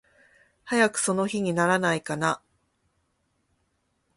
早くその日にならないかな。